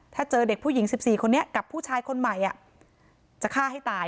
ถ้าเจอเด็กผู้หญิง๑๔คนนี้กับผู้ชายคนใหม่จะฆ่าให้ตาย